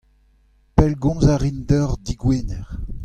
Pellgomz a rin deoc'h digwener.